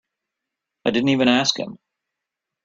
I didn't even ask him.